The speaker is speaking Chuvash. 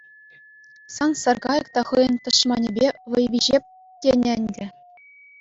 Сан саркайӑк та хӑйӗн тӑшманӗпе вӑй виҫеп, тенӗ ӗнтӗ.